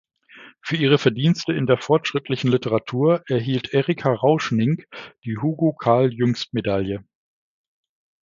Für ihre Verdienste in der fortschrittlichen Literatur erhielt Erika Rauschning die Hugo-Carl-Jüngst-Medaille.